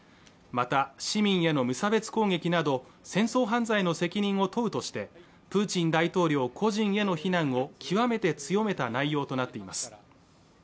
また市民への無差別攻撃など戦争犯罪の責任を問うとしてプーチン大統領個人への非難を極めて強めた内容となっています